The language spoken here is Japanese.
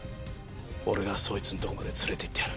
俺がそいつのとこまで連れていってやる。